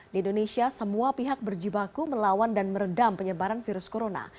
di indonesia semua pihak berjibaku melawan dan meredam penyebaran virus corona